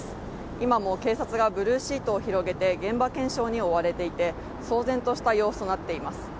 今も警察がブルーシートを広げて現場検証に追われていて騒然とした様子となっています。